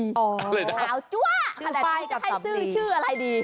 อะไรนะฟ้ายกับสำลีขาวจั๊วแต่ต้องให้ซื่อชื่ออะไรดี